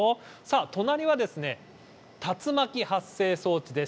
隣は、竜巻発生装置です。